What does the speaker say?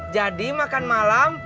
jadi makan malam